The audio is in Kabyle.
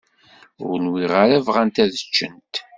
Ur nwiɣ ara bɣant ad ččent.